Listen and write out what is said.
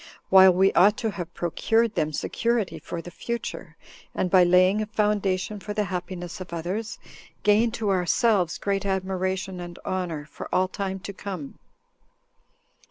while we ought to have procured them security for the future, and, by laying a foundation for the happiness of others, gain to ourselves great admiration and honor for all time to come."